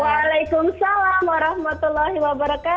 waalaikumsalam warahmatullahi wabarakatuh